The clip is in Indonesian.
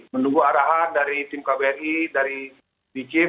menunggu arahan dari tim kbri di kiev